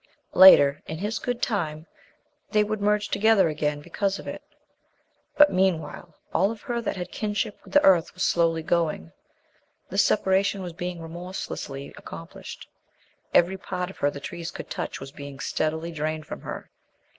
Later, in His good time, they would merge together again because of it. But meanwhile, all of her that had kinship with the earth was slowly going. This separation was being remorselessly accomplished. Every part of her the trees could touch was being steadily drained from her.